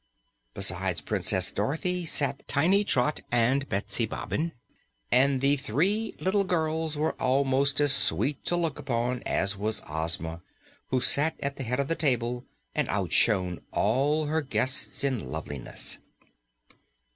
Beside Princess Dorothy sat Tiny Trot and Betsy Bobbin, and the three little girls were almost as sweet to look upon as was Ozma, who sat at the head of her table and outshone all her guests in loveliness.